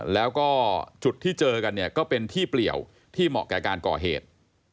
แล้วก็จุดที่เจอกันเนี่ยก็เป็นที่เปลี่ยวที่เหมาะแก่การก่อเหตุ